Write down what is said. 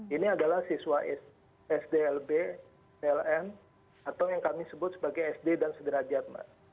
ini adalah siswa sdlb pln atau yang kami sebut sebagai sd dan sederajat mbak